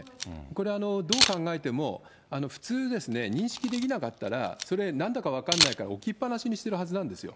これ、どう考えても、普通ですね、認識できなかったら、それ、なんだか分かんないから置きっ放しにしてるはずなんですよ。